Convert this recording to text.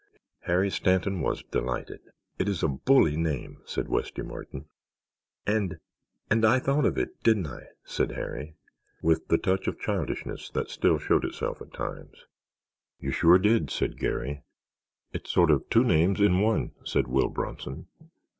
Harry Stanton was delighted. "It is a bully name," said Westy Martin. "And—and I thought of it—didn't I," said Harry, with the touch of childishness that still showed itself at times. "You sure did," said Garry. "It's sort of two names in one," said Will Bronson.